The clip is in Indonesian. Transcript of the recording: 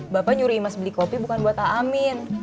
bapak nyuruh imas beli kopi bukan buat amin